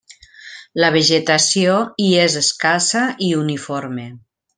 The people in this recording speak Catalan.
La vegetació hi és escassa i uniforme.